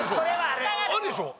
あるでしょ。